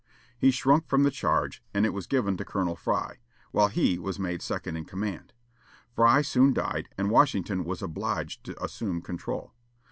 He shrunk from the charge, and it was given to Colonel Fry, while he was made second in command. Fry soon died, and Washington was obliged to assume control.